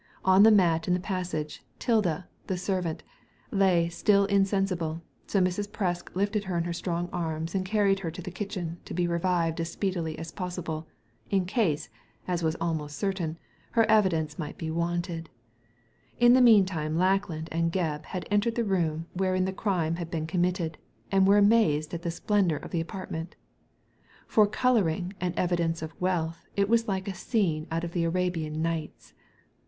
On the mat in the passage, Tilda, the servant, lay still insensible, so Mrs. Presk lifted her in her strong arms and carried her to the kitchen to be revived as speedily as possible, in case, as was almost certain, her evidence might be wanted In the mean time Lackland and Gebb had entered the room wherein the crime had been com mitted, and were amazed at the splendour of the apartment For colouring and evidence of wealth it was like a scene out of the Arabian Nights.